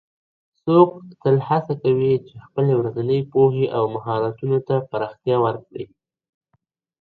څوک تل هڅه کوي چي خپلي ورځنۍ پوهي او مهارتونو ته پراختیا ورکړي؟